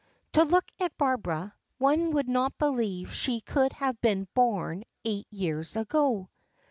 To look at Barbara, one would not believe she could have been born eight years ago."